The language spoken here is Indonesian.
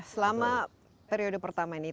selama periode pertama ini